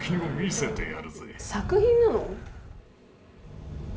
作品なの？